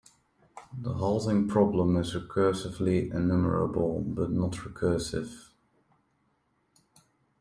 The halting problem is recursively enumerable but not recursive.